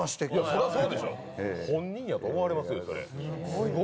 そらそうでしょう本人だと思われますよ。